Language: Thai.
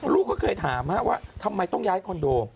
ลูกก็เคยถามว่าทำไมต้องย้ายคอนโด